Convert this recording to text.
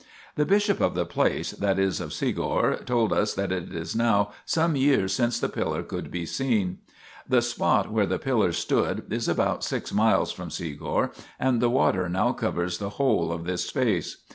The bishop of the place, that is of Segor, told us that it is now some years since the pillar could be seen. The spot where the pillar stood is about six miles from Segor, and the water now covers the whole of this space.